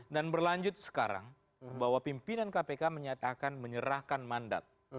dan berlanjut sekarang bahwa pimpinan kpk menyatakan menyerahkan mandat